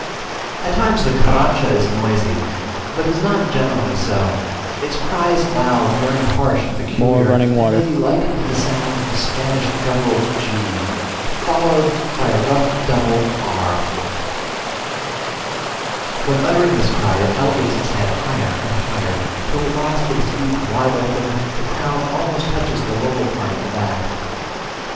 At times the Carrancha is noisy, but is not generally so: its cry is loud, very harsh and peculiar, and may be likened to the sound of the Spanish guttural g, followed by a rough double r r; when uttering this cry it elevates its head higher and higher, till at last, with its beak wide open, the crown almost touches the lower part of the back.